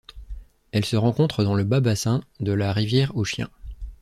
Elle se rencontre dans le bas bassin de la rivière au Chien.